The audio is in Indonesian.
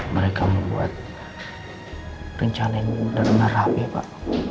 mereka membuat rencana yang mudah merah deh pak